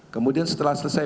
kemudian setelah selesai